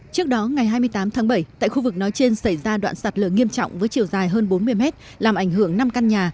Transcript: trước đó ngày hai mươi tám tháng bảy tại khu vực nói trên xảy ra đoạn sạt lở nghiêm trọng với chiều dài hơn bốn mươi mét làm ảnh hưởng năm căn nhà